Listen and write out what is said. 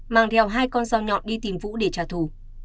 mang theo hai con dao nhọn đi tìm vũ để trả thù